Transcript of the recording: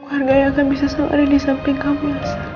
keluarga yang akan bisa selalu ada di samping kamu